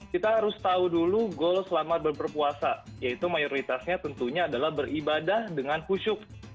kita harus tahu dulu goal selama berpuasa yaitu mayoritasnya tentunya adalah beribadah dengan kusyuk